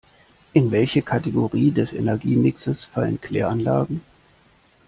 In welche Kategorie des Energiemixes fallen Kläranlagen?